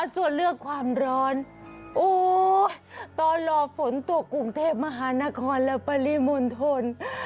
ส่วนเรื่องความร้อนตอนรอฝนตกกรุงเทพมหานครและปริมณฑล